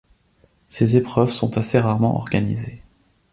Ces épreuves sont assez rarement organisées.